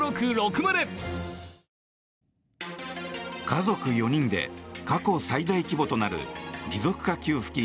家族４人で過去最大規模となる持続化給付金